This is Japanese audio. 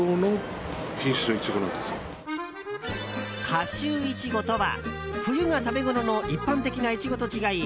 夏秋イチゴとは冬が食べごろの一般的なイチゴと違い